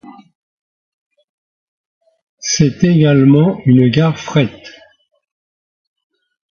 C'est également une gare Fret.